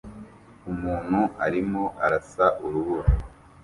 Umuntu arimo arasa urubura